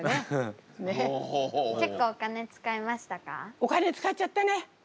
お金使っちゃったねうん。